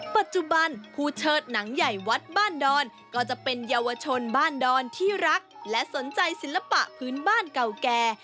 ปัจจุบันผู้เชิดหนังใหญ่วัดบ้านดอนก็จะเป็นเยาวชนบ้านดอนที่รักและสนใจศิลปะพื้นบ้านเก่าแก่